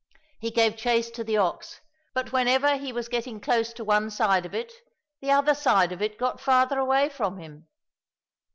He gave chase to the ox, but when ever he was getting close to one side of it, the other side of it got farther away from him.